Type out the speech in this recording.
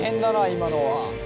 今のは。